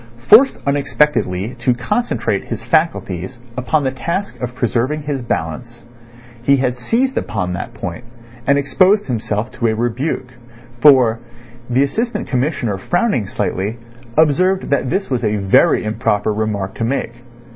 Forced unexpectedly to concentrate his faculties upon the task of preserving his balance, he had seized upon that point, and exposed himself to a rebuke; for, the Assistant Commissioner frowning slightly, observed that this was a very improper remark to make.